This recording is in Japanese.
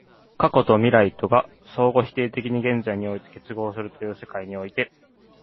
過去と未来とが相互否定的に現在において結合するという世界において、